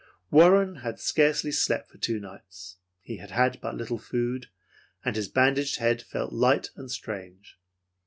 Warren had scarcely slept for two nights. He had had but little food, and his bandaged head felt light and strange.